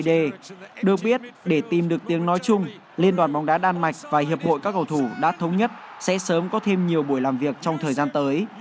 được biết để tìm được tiếng nói chung liên đoàn bóng đá đan mạch và hiệp hội các cầu thủ đã thống nhất sẽ sớm có thêm nhiều buổi làm việc trong thời gian tới